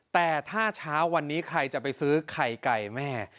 แต่ถ้าเช้าวันนี้ใครจะไปซื้อไข่ไก่แม่